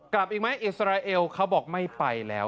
กลับอีกไหมอิสราเอลเขาบอกไม่ไปแล้ว